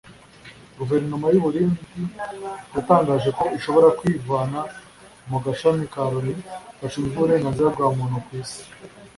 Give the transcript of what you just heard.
Guverinoma y’u Burundi yatangaje ko ishobora kwivana mu gashami ka Loni gashinzwe uburenganzira bwa muntu ku Isi